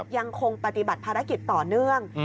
ยังคงปฏิบัติภารกิจต่อเนื่อง